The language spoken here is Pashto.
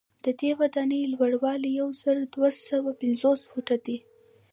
ددې ودانۍ لوړوالی یو زر دوه سوه پنځوس فوټه دی.